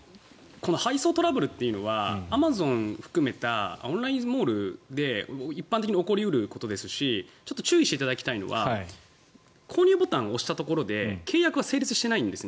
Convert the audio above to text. この配送トラブルというのはアマゾンを含めたオンラインモールで一般的に起こり得ることですしちょっと注意していただきたいのは購入ボタンを押したところで契約は成立していないんですね